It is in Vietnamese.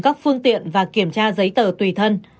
các phương tiện và kiểm tra giấy tờ tùy thân